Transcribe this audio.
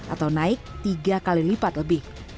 atau naik tiga kali lipat lebih